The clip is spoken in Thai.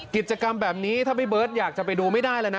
กิจกรรมแบบนี้ถ้าพี่เบิร์ตอยากจะไปดูไม่ได้แล้วนะ